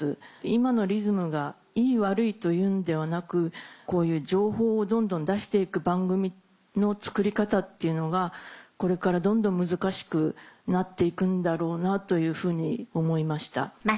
今のリズムがいい悪いと言うんではなくこういう情報をどんどん出して行く番組の作り方っていうのがこれからどんどん難しくなって行くんだろうなというふうに思いました。